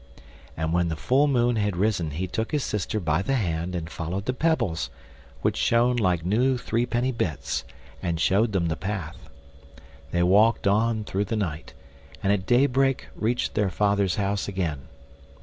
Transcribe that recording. And when the full moon had risen he took his sister by the hand and followed the pebbles, which shone like new threepenny bits, and showed them the path. They walked on through the night, and at daybreak reached their father's house again.